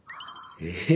ええ？